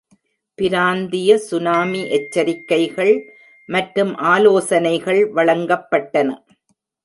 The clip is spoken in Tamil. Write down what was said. பிராந்திய சுனாமி எச்சரிக்கைகள் மற்றும் ஆலோசனைகள் வழங்கப்பட்டன.